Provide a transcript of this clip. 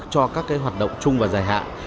cho các hoạt động chung và dài hạn